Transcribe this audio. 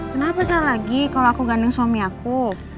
kenapa salah lagi kalo aku gandeng suami aku